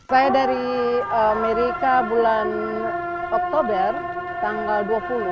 saya dari amerika bulan oktober tanggal dua puluh